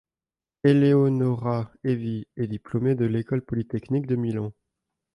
Eleonora Evi est diplômée de l'école polytechnique de Milan.